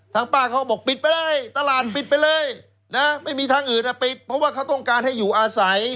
ป้าเขาก็บอกปิดไปเลยตลาดปิดไปเลยนะไม่มีทางอื่นปิดเพราะว่าเขาต้องการให้อยู่อาศัย